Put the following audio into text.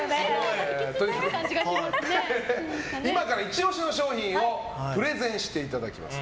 今からイチ押し商品をプレゼンしていただきます。